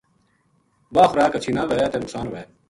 واہ خوراک ہچھی نہ وھے تے نقصان ہووے۔